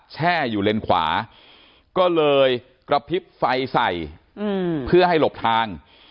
แช่อยู่เลนขวาก็เลยกระพริบไฟใส่เพื่อให้หลบทาง